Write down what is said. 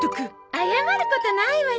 謝ることないわよ。